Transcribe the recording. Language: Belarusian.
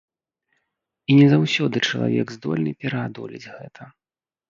І не заўсёды чалавек здольны пераадолець гэта.